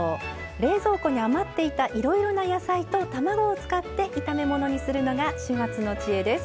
冷蔵庫に余っていたいろいろな野菜と卵を使って炒め物をするのが始末の知恵です。